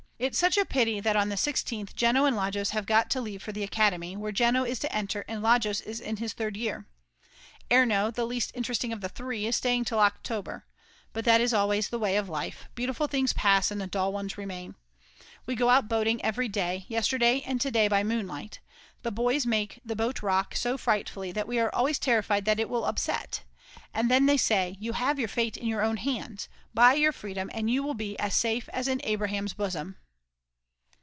It's such a pity that on the 16th Jeno and Lajos have got to leave for the Academy, where Jeno is to enter and Lajos is in his third year: Erno, the least interesting of the three, is staying till October. But that is always the way of life, beautiful things pass and the dull ones remain. We go out boating every day, yesterday and to day by moonlight. The boys make the boat rock so frightfully that we are always terrified that it will upset. And then they say: "You have your fate in your own hands; buy your freedom and you will be as safe as in Abraham's bosom."